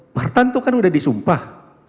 hartanto kan udah disumpah